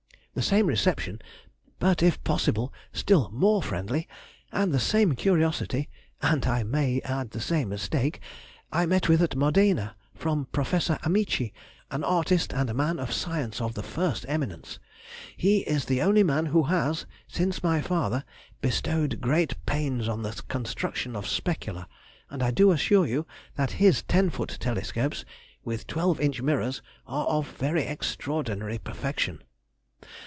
The same reception, but, if possible, still more friendly, and the same curiosity (and, I may add, the same mistake) I met with at Modena, from Professor Amici, an artist and a man of science of the first eminence. He is the only man who has, since my father, bestowed great pains on the construction of specula, and I do assure you that his ten foot telescopes with twelve inch mirrors are of very extraordinary perfection.